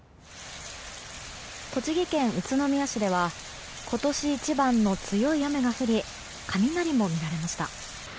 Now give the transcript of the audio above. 栃木県宇都宮市では今年一番の強い雨が降り雷も見られました。